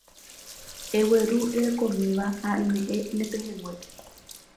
Egueru erekomíva ha eme'ẽ ne pehẽnguépe